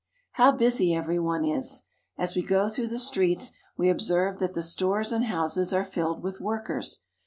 How busy every one is ! As we go through the streets we observe that the stores and houses are filled with workers.